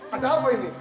ada apa ini